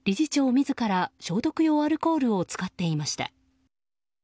自ら消毒用アルコールを使っていました。